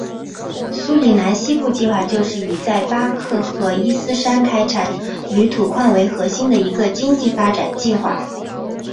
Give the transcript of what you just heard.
苏里南西部计划就是以在巴克赫伊斯山开采铝土矿为核心的一个经济发展计划。